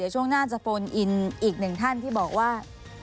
ช่วงหน้าจะโฟนอินอีกหนึ่งท่านที่บอกว่า